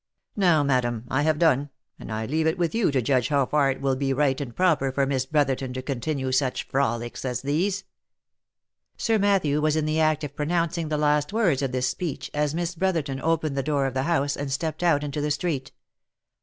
Now, madam, I have done, and I leave it with you to judge how far it will be right and proper for Miss Brotherton to continue such frolics as these." Sir Matthew was in the act of pronouncing the last words of this speech as Miss Brotherton opened the door of the house, and stepped out into the street.